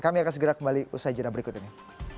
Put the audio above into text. kami akan segera kembali usai jenam berikutnya